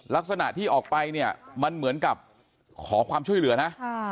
ลักษณะที่ออกไปเนี่ยมันเหมือนกับขอความช่วยเหลือนะ